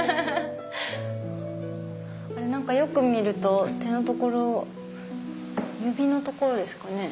あれ何かよく見ると手のところ指のところですかね。